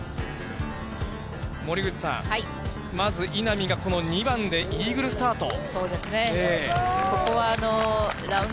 森口さん、まず稲見が、この２番でイーグルスタート。